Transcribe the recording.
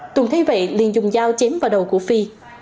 tùng thấy vậy liền dùng dao chém vào đầu của phi